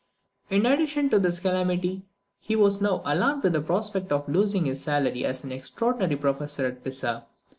In addition to this calamity he was now alarmed at the prospect of losing his salary as an extraordinary professor at Pisa.